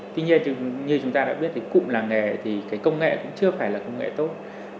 tuy nhiên như chúng ta đã biết thì cụm làng nghề thì cái công nghệ cũng chưa phải là công nghệ tốt